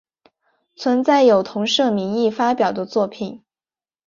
存在有同社名义发表的作品。